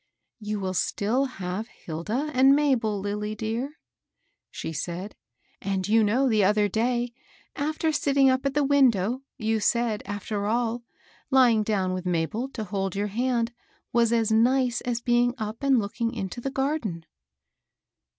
You will still have Hilda and Mabel, Lilly dear, she said ;and you know the other day, after sitting up at the window, you said, after all, lying down with Mabel to hold your hand was nice as being up and looking into the garden."